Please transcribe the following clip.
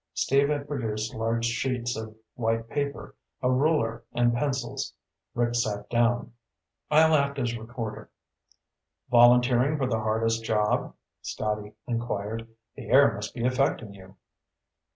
Steve had produced large sheets of white paper, a ruler, and pencils. Rick sat down. "I'll act as recorder." "Volunteering for the hardest job?" Scotty inquired. "The air must be affecting you."